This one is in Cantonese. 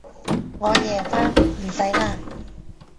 我夜返，唔使喇